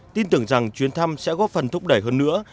tin tưởng rằng chuyến thăm sẽ góp phần thúc đẩy hơn nữa